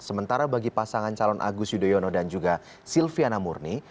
sementara bagi pasangan calon agus yudhoyono dan juga silviana murni